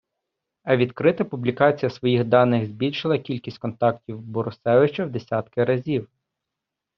А відкрита публікація своїх даних збільшила кількість контактів Борусевича в десятки разів.